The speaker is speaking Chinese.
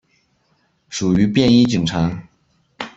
属于便衣警察。